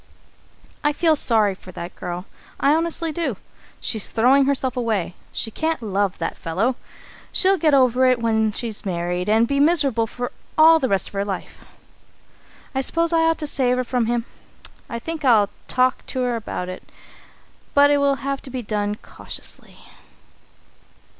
"I feel sorry for that girl, I honestly do. She's throwing herself away. She can't love that fellow. She'll get over it when she's married, and be miserable all the rest of her life. I suppose I ought to save her from him. I think I'll talk to her about it, but it will have to be done cautiously.